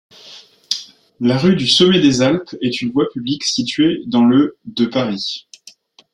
La rue du Sommet-des-Alpes est une voie publique située dans le de Paris.